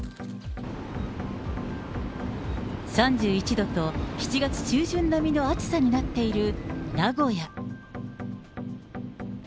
３１度と、７月中旬並みの暑さになっている名古屋。